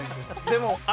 でも。